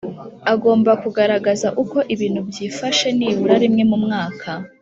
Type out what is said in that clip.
Agomba kugaragaza uko ibintu byifashe nibura rimwe mu mwaka